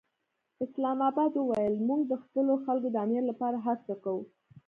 اسلام اباد وویل، موږ د خپلو خلکو د امنیت لپاره هر څه کوو.